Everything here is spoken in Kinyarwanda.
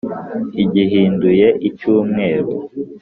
Igihinduye icy’umwe,